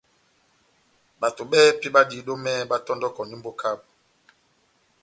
Bato bɛ́hɛ́pi badiyidi omɛ batɔndɔkɔndi mbóka yabu.